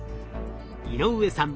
井上さん